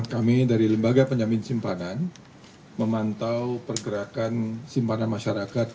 kami dari lembaga penjamin simpanan memantau pergerakan simpanan masyarakat